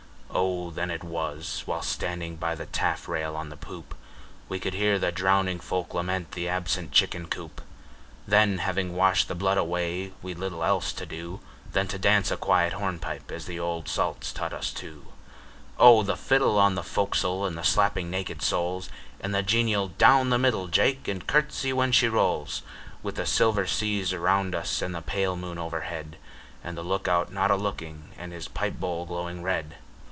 O! then it was (while standing by the taffrail on the poop) We could hear the drowning folk lament the absent chicken coop; Then, having washed the blood away, we'd little else to do Than to dance a quiet hornpipe as the old salts taught us to. O! the fiddle on the fo'c's'le, and the slapping naked soles, And the genial ' Down the middle Jake, and curtsey when she rolls! ' A BALLAD OF JOHN SILVER 73 With the silver seas around us and the pale moon overhead, And .the look out not a looking and his pipe bowl glowing red.